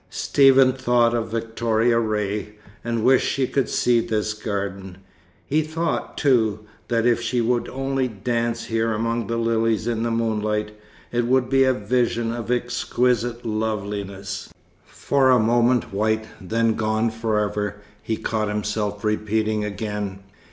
Stephen thought of Victoria Ray, and wished she could see this garden. He thought, too, that if she would only dance here among the lilies in the moonlight, it would be a vision of exquisite loveliness. "For a moment white, then gone forever," he caught himself repeating again.